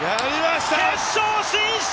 決勝進出！